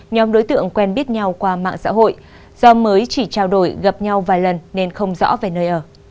nhóm đối tượng quen biết nhau qua mạng xã hội do mới chỉ trao đổi gặp nhau vài lần nên không rõ về nơi ở